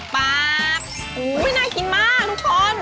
ปลากกอู๋ไม่น่าชินมากทุกคน